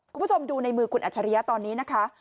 คุณผู้ชมดูในมือคุณอัจฉริยะตอนนี้นะคะ